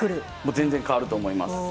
全然変わると思います。